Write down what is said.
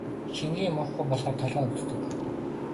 Шингэн юм уухгүй болохоор толгой өвдөг.